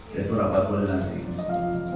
yaitu rapat bola dan singkong